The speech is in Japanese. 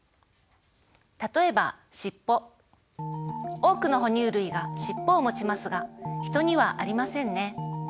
多くの哺乳類が尻尾をもちますがヒトにはありませんね。